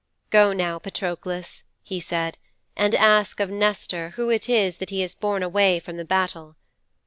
'"Go now, Patroklos," he said, "and ask of Nestor who it is that he has borne away from the battle."'